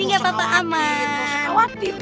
nggak usah khawatir